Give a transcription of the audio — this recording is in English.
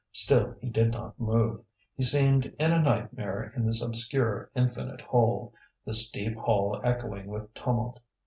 Still he did not move: he seemed in a nightmare in this obscure infinite hole, this deep hall echoing with tumult.